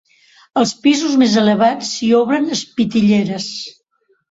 Als pisos més elevats, s'hi obren espitlleres.